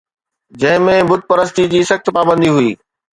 جنهن ۾ بت پرستي جي سخت پابندي هئي